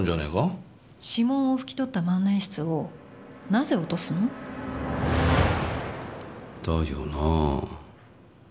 指紋を拭き取った万年筆をなぜ落とすの？だよな。